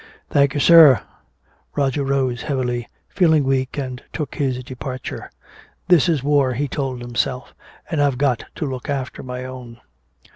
"Thank you, sir." Roger rose heavily, feeling weak, and took his departure. "This is war," he told himself, "and I've got to look after my own."